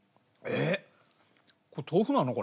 えっ？